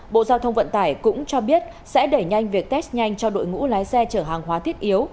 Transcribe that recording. bộ giao thông vận tải cũng cho biết sẽ đẩy nhanh việc test nhanh cho đội ngũ lái xe chở hàng hóa thiết yếu